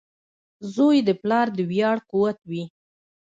• زوی د پلار د ویاړ قوت وي.